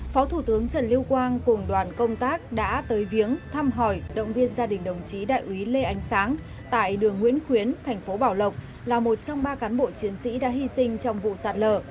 phó thủ tướng trần lưu quang cùng đoàn công tác đã tới viếng thăm hỏi động viên gia đình đồng chí đại úy lê ánh sáng tại đường nguyễn khuyến thành phố bảo lộc là một trong ba cán bộ chiến sĩ đã hy sinh trong vụ sạt lở